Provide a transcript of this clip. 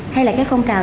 hay là cái phong trào